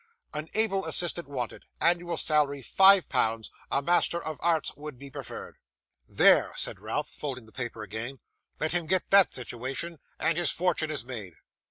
An able assistant wanted. Annual salary 5 pounds. A Master of Arts would be preferred." 'There!' said Ralph, folding the paper again. 'Let him get that situation, and his fortune is made.